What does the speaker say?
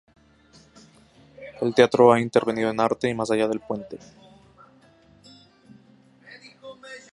En teatro ha intervenido en "Arte" y "Más allá del puente".